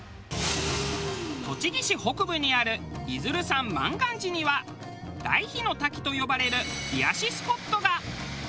栃木市北部にある出流山満願寺には大悲の滝と呼ばれる癒やしスポットが。